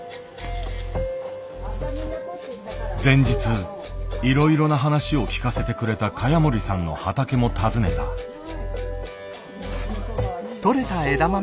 前日いろいろな話を聞かせてくれた萱森さんの畑も訪ねた。来た。